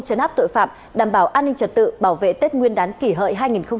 chấn áp tội phạm đảm bảo an ninh trật tự bảo vệ tết nguyên đán kỷ hợi hai nghìn một mươi chín